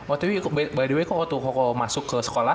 oh tapi by the way koko tuh koko masuk ke sekolah